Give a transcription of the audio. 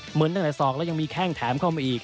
เหมือนตั้งแต่ศอกแล้วยังมีแข้งแถมเข้ามาอีก